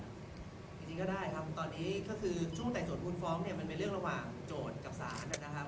จริงก็ได้ครับตอนนี้ก็คือช่วงไต่สวนมูลฟ้องเนี่ยมันเป็นเรื่องระหว่างโจทย์กับศาลนะครับ